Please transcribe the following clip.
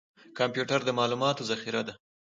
کمپیوټر د معلوماتو ذخیره ده